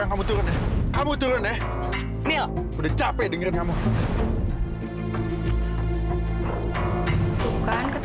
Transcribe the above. ih kamu lucu deh gemes banget